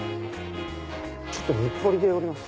ちょっと日暮里で降ります。